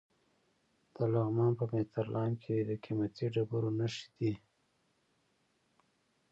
د لغمان په مهترلام کې د قیمتي ډبرو نښې دي.